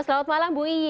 selamat malam bu iyi